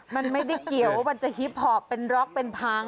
มันไม่ได้เกี่ยวว่ามันจะฮิปหอบเป็นร็อกเป็นพัง